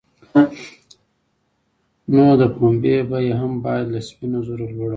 نو د پنبې بیه هم باید له سپینو زرو لوړه وای.